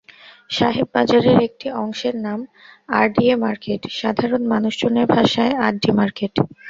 সাহেব বাজারের একটি অংশের নাম আরডিএ মার্কেট, সাধারণ মানুষজনের ভাষায় আড্ডি মার্কেট।